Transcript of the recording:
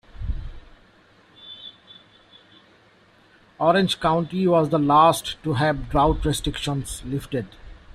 Orange County was the last to have drought restrictions lifted.